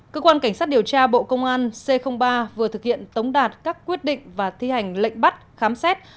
cơ quan cảnh sát điều tra bộ công an c ba vừa thực hiện tống đạt các quyết định và thi hành lệnh bắt khám xét